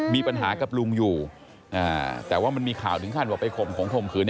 มีปัญหากับลุงอยู่แต่ว่ามันมีข่าวถึงขั้นว่าไปข่มขงข่มขืน